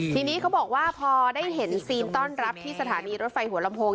ทีนี้เขาบอกว่าพอได้เห็นซีนต้อนรับที่สถานีรถไฟหัวลำโพง